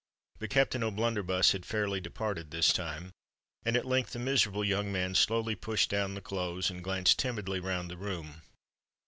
But Captain O'Blunderbuss had fairly departed this time; and at length the miserable young man slowly pushed down the clothes, and glanced timidly round the room.